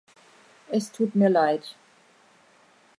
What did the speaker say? Es tut mir Leid!